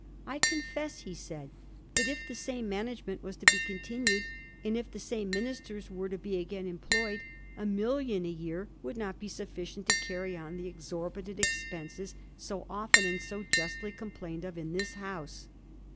^ I confess/ he said, * that if the same management was to be continued, and if the same ministers were to be again employed, a million a year would not be sufficient to carry on the exorbi tant expenses so often and so justly complained of in this House.'